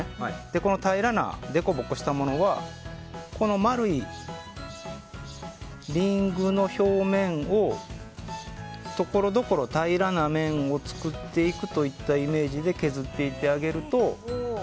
この平らなでこぼこしたものは丸いリングの表面をところどころ平らな面を作っていくといったイメージで削っていってあげると。